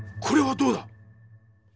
これはどうだ？